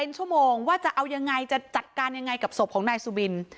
ชั่วโมงว่าจะเอายังไงจะจัดการยังไงกับศพของนายสุบิน